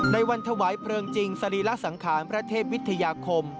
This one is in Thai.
ในวันถวายเพลิงจริงสรีระสังขารพระเทพวิทยาคม